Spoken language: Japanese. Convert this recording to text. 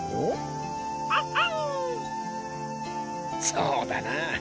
そうだな。